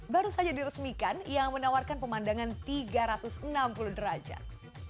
baru saja diresmikan yang menawarkan pemandangan tiga ratus enam puluh derajat